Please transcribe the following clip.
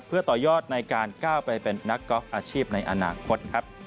เพื่อต่อยอดในการก้าวไปเป็นนักกอล์ฟอาชีพในอนาคตครับ